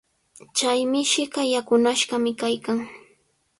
Chay mishiqa yakunashqami kaykan.